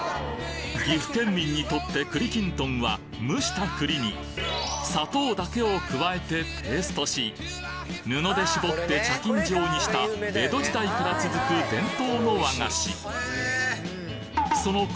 岐阜県民にとって栗きんとんは蒸した栗に砂糖だけを加えてペーストし布で絞って茶巾状にした江戸時代から続く伝統の和菓子その栗